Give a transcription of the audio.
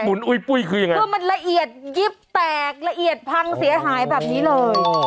อุ้ยปุ้ยคือยังไงคือมันละเอียดยิบแตกละเอียดพังเสียหายแบบนี้เลย